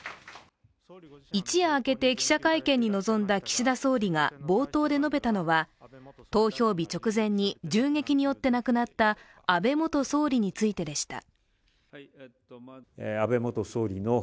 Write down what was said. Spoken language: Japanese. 一夜明けて記者会見に臨んだ岸田総理は冒頭で述べたのは投票日直前に銃撃によって亡くなった安倍元総理についてでした。